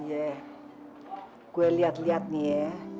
iya gue liat liat nih ya